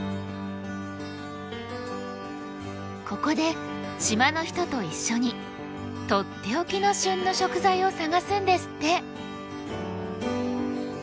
ここで島の人と一緒にとっておきの旬の食材を探すんですって。